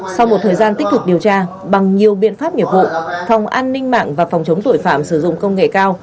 sau một thời gian tích cực điều tra bằng nhiều biện pháp nghiệp vụ phòng an ninh mạng và phòng chống tội phạm sử dụng công nghệ cao